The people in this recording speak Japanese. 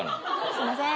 すいません。